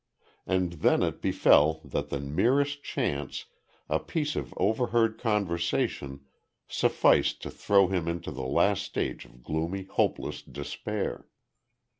And then it befell that the merest chance a piece of overheard conversation sufficed to throw him into the last stage of gloomy, hopeless despair.